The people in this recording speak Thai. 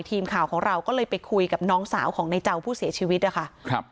ทีมข่าวของเราก็เลยไปคุยกับน้องสาวของในเจ้าผู้เสียชีวิตนะคะครับ